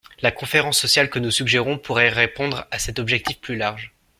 La conférence sociale que nous suggérons pourrait répondre à cet objectif plus large.